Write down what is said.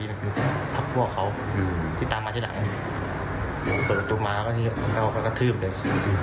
มันเป็นพวกเขาที่ตามมาที่หลังเปิดตัวมาแล้วก็ทืบเลย